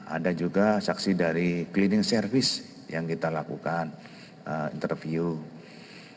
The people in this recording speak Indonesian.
ada juga saksi dari cleaning service yang kita lakukan interview